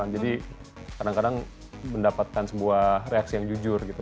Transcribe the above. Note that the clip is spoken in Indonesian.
kadang kadang mendapatkan sebuah reaksi yang jujur gitu